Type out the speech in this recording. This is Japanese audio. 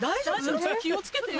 気を付けてよ。